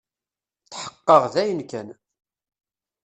Tḥeqqeɣ dayen kan.